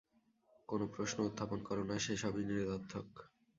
কোন প্রশ্ন উত্থাপন কর না, সে-সবই নিরর্থক।